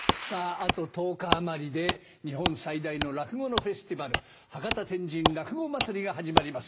あと１０日余りで日本最大の落語のフェスティバル「博多・天神落語まつり」が始まります。